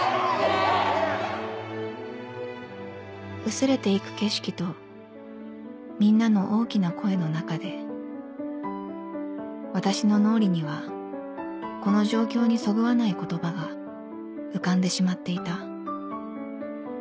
薄れていく景色とみんなの大きな声の中で私の脳裏にはこの状況にそぐわない言葉が浮かんでしまっていた